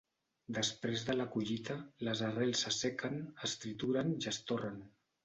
Després de la collita les arrels s'assequen, es trituren i es torren.